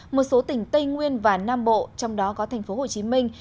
một số tỉnh tây nguyên và nam bộ trong đó có thành phố hồ chí minh